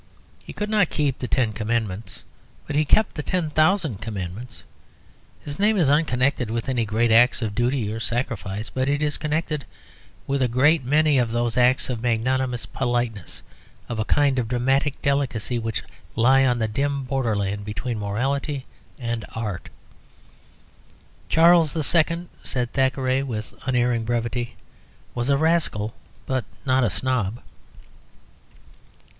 He could not keep the Ten Commandments, but he kept the ten thousand commandments. His name is unconnected with any great acts of duty or sacrifice, but it is connected with a great many of those acts of magnanimous politeness, of a kind of dramatic delicacy, which lie on the dim borderland between morality and art. "Charles II.," said Thackeray, with unerring brevity, "was a rascal, but not a snob."